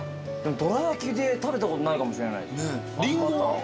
どら焼きで食べたことないかもしれない。